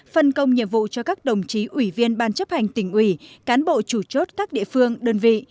phân công nhiệm vụ cho các đồng chí ủy viên ban chấp hành tỉnh ủy cán bộ chủ chốt các địa phương đơn vị